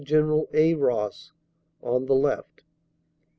General A. Ross) on the left.